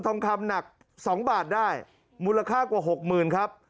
ทองคำหนัก๒บาทได้มูลค่ากว่าหกหมื่นครับ